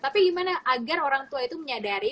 tapi gimana agar orang tua itu menyadari